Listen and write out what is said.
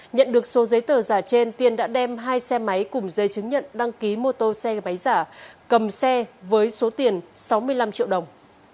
nhận được số giấy tờ giả trên tiên đã đem hai xe máy cùng dây chứng nhận đăng ký mô tô xe máy giả cầm xe với số tiền sáu mươi năm triệu đồng